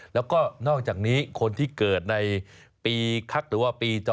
แล้วก็นอกจากนี้คนที่เกิดในปีคักหรือว่าปีจอ